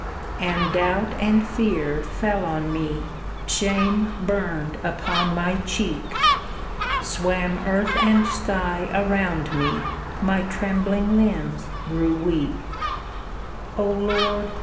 And doubt and fear fell on me, shame burned upon my cheek, Swam earth and sky around me, my trembling limbs grew weak: "O Lord!